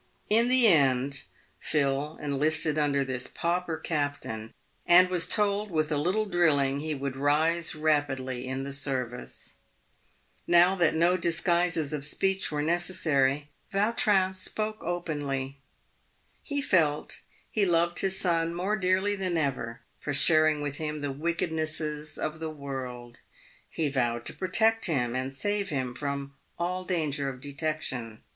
In the end, Phil enlisted under this pauper captain, and was told that with a little drilling he would rise rapidly in the service. .Now that no disguises of speech were necessary, Vautrin spoke openly. He felt he loved his son more dearly than ever for sharing with him the wickednesses of the world. He vowed to protect him, and save him from all danger of detection.